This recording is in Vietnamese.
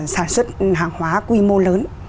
sản xuất hàng hóa quy mô lớn